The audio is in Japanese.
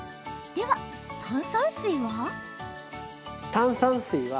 では、炭酸水は？